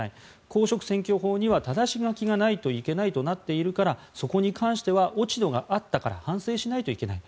公職選挙法にはただし書きがないといけないとなっているからそこに関しては落ち度があったから反省しないといけない。